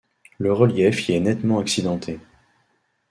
Le relief y est nettement accidenté.